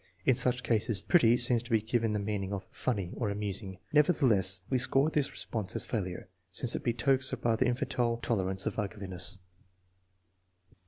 In such cases "pretty*' seems to be given the meaning of " funny " or " amusing." Nevertheless, we score this re sponse as failure, since it betokens a rather infantile toler ance of ugliness.